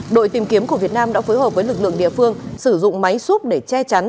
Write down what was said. đội tìm kiếm của việt nam đã phối hợp với lực lượng địa phương sử dụng máy xúc để che chắn